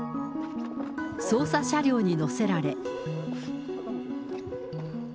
捜査車両に乗せられ。